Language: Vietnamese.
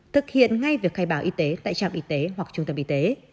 thực hiện ngay việc khai báo y tế tại trạm y tế hoặc trung tâm y tế